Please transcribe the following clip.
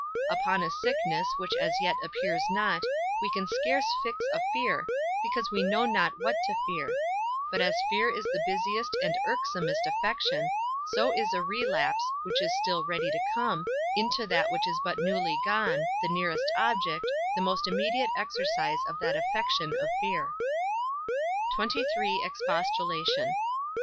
Upon a sickness, which as yet appears not, we can scarce fix a fear, because we know not what to fear; but as fear is the busiest and irksomest affection, so is a relapse (which is still ready to come) into that which is but newly gone, the nearest object, the most immediate exercise of that affection of fear. XXIII. EXPOSTULATION.